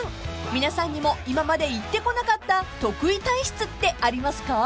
［皆さんにも今まで言ってこなかった特異体質ってありますか？］